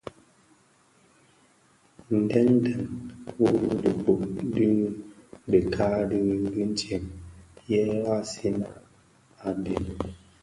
Ndhèňdèn wu lè dhipud bi dikag di tëtsem, ye vansina a dhemi,